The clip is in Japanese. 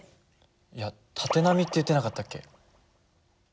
いや縦波って言ってなかったっけ？